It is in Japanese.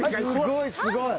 すごいすごい。